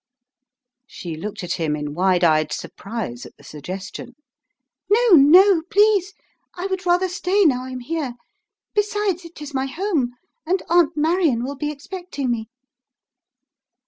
She looked at him in wide eyed surprise at the suggestion. "No, no, please. I would rather stay now I am here. Besides, it is my home, and Aunt Marion will be expecting me."